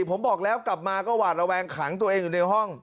ผมบอกแล้วกลับมาก็หวาดระแวงขังตัวเองอยู่ในห้อง